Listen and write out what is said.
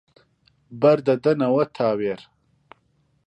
بەر دەدەنەوە تاوێر